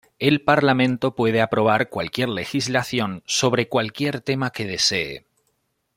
El Parlamento puede aprobar cualquier legislación sobre cualquier tema que desee.